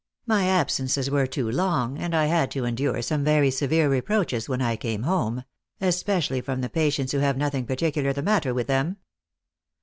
My absences were too long, and I had to endure some very severe reproaches when I came home ; especially from the patients who have nothing particular the matter with them."